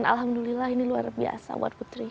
alhamdulillah ini luar biasa buat putri